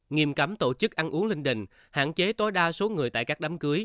nghiêm cấm tổ chức ăn uống linh đình hạn chế tối đa số người tại các đám cưới